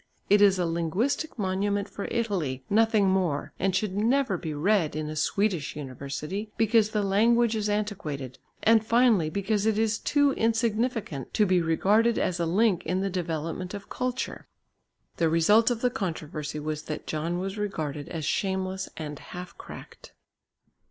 It is a linguistic monument for Italy, nothing more, and should never be read in a Swedish university, because the language is antiquated, and finally because it is too insignificant to be regarded as a link in the development of culture." The result of the controversy was that John was regarded as shameless and half cracked.